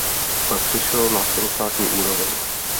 Pak přešel na celostátní úroveň.